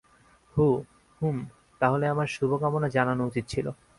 হু, হুমম, তাহলে আমার শুভকামনা জানানো উচিত ছিল।